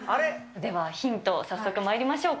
ではヒント、早速まいりましょうか。